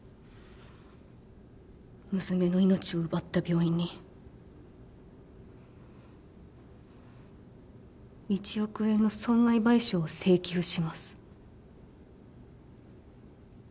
娘の命を奪った病院に１億円の損害賠償を請求します。